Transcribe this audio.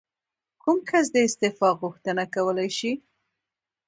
کوم کس د استعفا غوښتنه کولی شي؟